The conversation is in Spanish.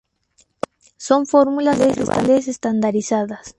Son fórmulas herbales estandarizadas.